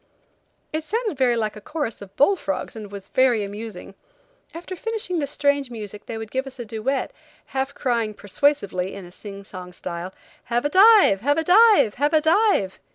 It sounded very like a chorus of bull frogs and was very amusing. After finishing this strange music they would give us a duet, half crying, persuasively, in a sing song style: "Have a dive! Have a dive! Have a dive!"